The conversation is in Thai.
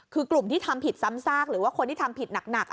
คือกลุ่มที่ทำผิดซ้ำซากหรือว่าคนที่ทำผิดหนัก